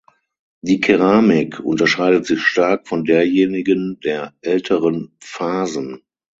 Die Keramik unterscheidet sich stark von derjenigen der älteren Phasen.